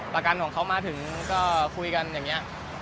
ประกันของเขามาถึงก็คุยกันอย่างนี้